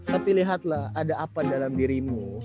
tapi lihatlah ada apa dalam dirimu